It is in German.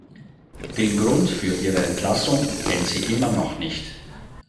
Den Grund für ihre Entlassung kennt sie immer noch nicht.